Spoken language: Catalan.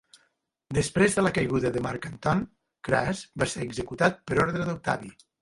Després de la caiguda de Marc Anton, Cras va ser executat per ordre d'Octavi.